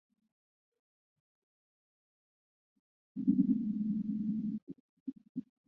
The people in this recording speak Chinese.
首府塞公。